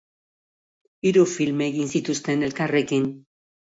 Hiru film egin zituzten elkarrekin.